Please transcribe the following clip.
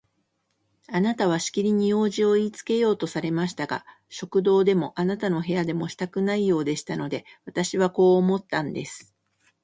あなたはしきりに用事をいいつけようとされましたが、食堂でもあなたの部屋でもしたくないようでしたので、私はこう思ったんです。